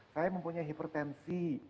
saya mempunyai hipertensi